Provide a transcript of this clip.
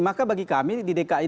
maka bagi kami di dki